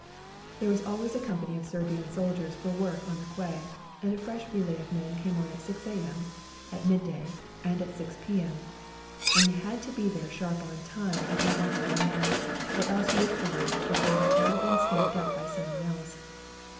There was always a company of Serbian soldiers for work on the quay, and a fresh relay of men came on at 6 a.m., at midday. WE GO TO CORFU 217 and at 6 p.m., and you had to be there sharp on time if you wanted your men, or else you would find they had all been snapped up by someone else.